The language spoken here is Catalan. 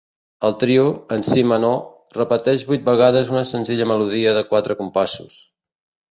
El trio, en si menor, repeteix vuit vegades una senzilla melodia de quatre compassos.